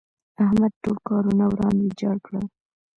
احمد ټول کارونه وران ويجاړ کړل.